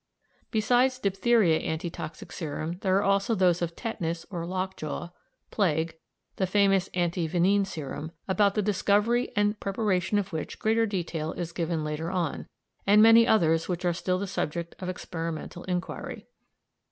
Besides diphtheria anti toxic serum there are also those of tetanus, or lock jaw, plague, the famous anti venene serum, about the discovery and preparation of which greater detail is given later on, and many others which are still the subject of experimental inquiry.